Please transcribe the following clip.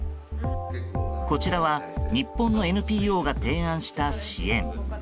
こちらは日本のＮＰＯが提案した支援。